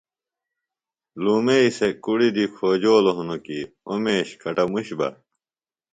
لُومئی سےۡ کُڑیۡ دی کھوجولوۡ ہنوۡ کیۡ اوۡ میش کٹموش بہ